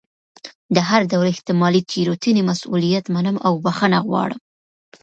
د هر ډول احتمالي تېروتنې مسؤلیت منم او بښنه غواړم.